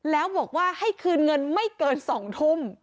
แล้วบอกว่าให้คืนเงินไม่เกิน๒ทุ่ม